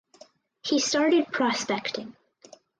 He started prospecting.